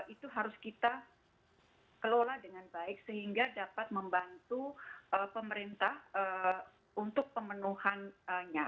itu harus kita kelola dengan baik sehingga dapat membantu pemerintah untuk pemenuhannya